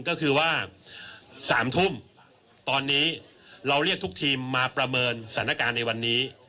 ก็คือว่า๓ทุ่มตอนนี้เราเรียกทุกทีมมาประเมินสถานการณ์ในวันนี้